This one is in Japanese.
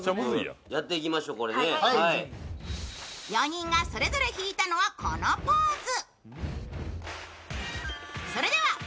４人がそれぞれ引いたのはこのポーズ。